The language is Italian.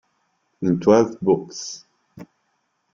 In Twelve Books.